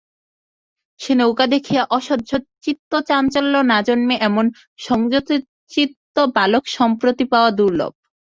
সে নৌকা দেখিয়া অসহ্য চিত্তচাঞ্চল্য না জন্মে এমন সংযতচিত্ত বালক সম্প্রতি পাওয়া দুর্লভ।